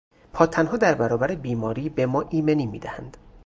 پادتنها در برابر بیماری به ما ایمنی میدهند.